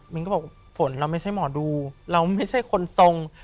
นก็บอกฝนเราไม่ใช่หมอดูเราไม่ใช่คนทรง